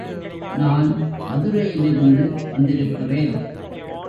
நான் மதுரையிலிருந்து வந்திருக்கிறேன்.